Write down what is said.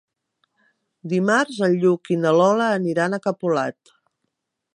Dimarts en Lluc i na Lola aniran a Capolat.